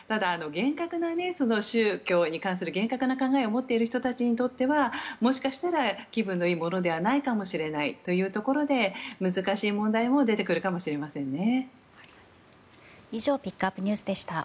ただ、宗教に関する厳格な考えを持っている人たちにとってはもしかしたら気分のいいものではないかもしれないというところで難しい問題も出てくるかもしれませんね。